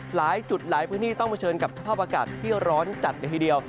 หลายจุดหลายพื้นที่ต้องเผชิญกับสภาพอากาศที่ร้อนจัดเลยทีเดียว